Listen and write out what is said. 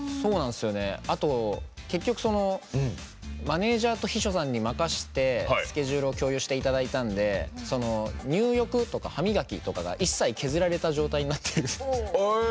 あと結局マネージャーと秘書さんに任せてスケジュールを共有していただいたんで入浴とか歯磨きとかが一切削られた状態になってるんです。